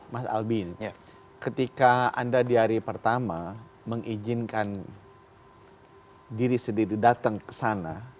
mas albi ketika anda di hari pertama mengizinkan diri sendiri datang ke sana